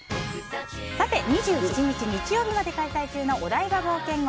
さて、２７日日曜日まで開催中のお台場冒険王。